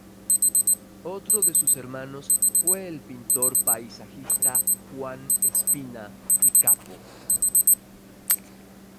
Otro de sus hermanos fue el pintor paisajista Juan Espina y Capo.